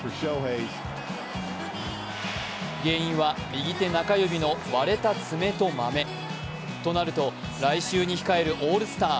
原因は右手中指の割れた爪とまめ。となると来週に控えるオールスター。